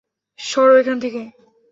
সরো এখান থেকে।